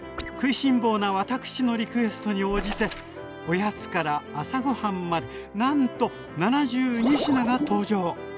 食いしん坊な私のリクエストに応じておやつから朝ごはんまでなんと７２品が登場！